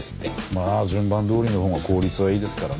まあ順番どおりのほうが効率はいいですからね。